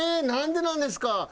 なんでなんですか！